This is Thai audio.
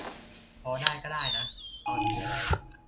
พอได้ก็ด้ายนะ เอาสีอะไร